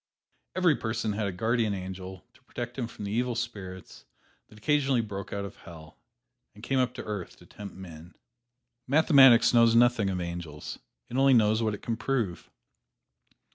Every person had a guardian angel to protect him from the evil spirits that occasionally broke out of Hell and came up to earth to tempt men. Mathematics knows nothing of angels it only knows what it can prove.